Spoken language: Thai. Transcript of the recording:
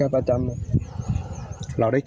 ประจำ